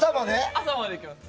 朝まで行きます。